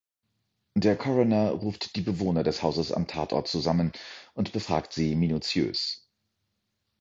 Der Coroner ruft die Bewohner des Hauses am Tatort zusammen und befragt sie minutiös.